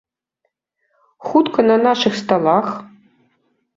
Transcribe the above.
Хутка на нашых сталах?